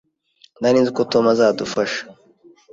Nari nzi ko Tom atazadufasha.